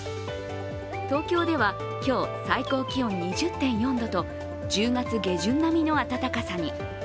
東京では今日最高気温２０．４度と１０月下旬並みの暖かさに。